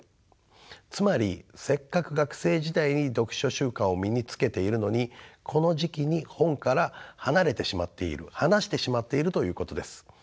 つまりせっかく学生時代に読書習慣を身につけているのにこの時期に本から離れてしまっている離してしまっているということです。